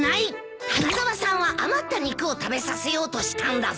花沢さんは余った肉を食べさせようとしたんだぞ。